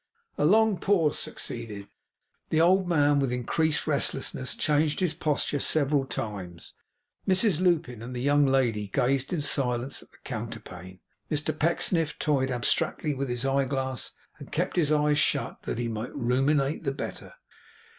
A long pause succeeded. The old man, with increased restlessness, changed his posture several times. Mrs Lupin and the young lady gazed in silence at the counterpane. Mr Pecksniff toyed abstractedly with his eye glass, and kept his eyes shut, that he might ruminate the better.